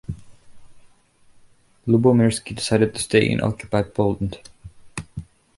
Lubomirski decided to stay in occupied Poland.